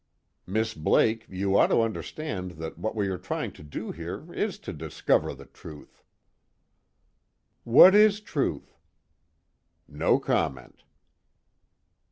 "Miss Blake, you ought to understand that what we are trying to do here is to discover the truth." "What is truth?" "No comment."